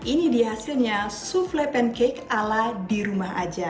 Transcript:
ini dia hasilnya souffle pancake ala di rumah aja